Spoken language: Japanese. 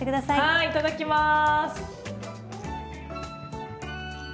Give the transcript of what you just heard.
はいいただきます！